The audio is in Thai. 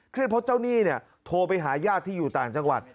เพราะเจ้าหนี้เนี่ยโทรไปหาญาติที่อยู่ต่างจังหวัด